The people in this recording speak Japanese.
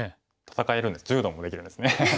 戦える柔道もできるんですね。